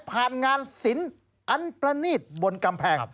ผ่านงานสินอันประณีตบนกำแพง